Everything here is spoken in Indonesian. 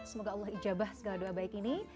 semoga allah ijabah segala doa baik ini